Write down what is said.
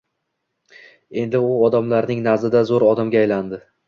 Endi u odamlarning nazdida zo`r odamga aylandi